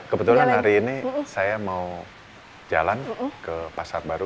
kebetulan hari ini saya mau jalan ke pasar baru